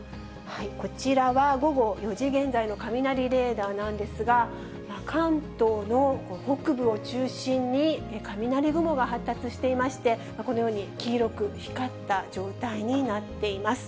こちらは午後４時現在の雷レーダーなんですが、関東の北部を中心に、雷雲が発達していまして、このように黄色く光った状態になっています。